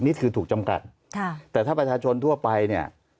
นี่คือถูกจำกัดค่ะแต่ถ้าประชาชนทั่วไปเนี่ย